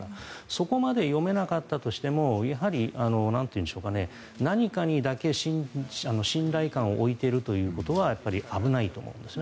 そこまで読めなかったとしてもやはり何かにだけ信頼感を置いているということはやっぱり危ないと思うんです。